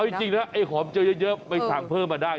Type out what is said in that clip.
เอาจริงนะไอ้หอมเจอเยอะไปสั่งเพิ่มมาได้